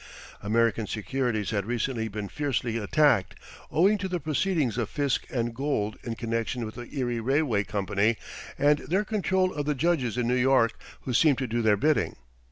American securities had recently been fiercely attacked, owing to the proceedings of Fisk and Gould in connection with the Erie Railway Company, and their control of the judges in New York, who seemed to do their bidding.